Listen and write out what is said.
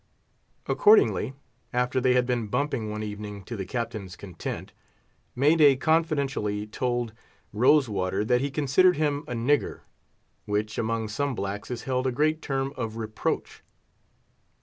Accordingly, after they had been bumping one evening to the Captain's content, May day confidentially told Rose water that he considered him a "nigger," which, among some blacks, is held a great term of reproach.